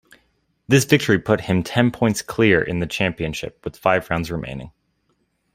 This victory put him ten points clear in the championship with five rounds remaining.